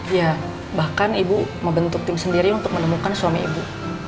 iya bahkan ibu membentuk tim sendiri untuk menemukan suami ibu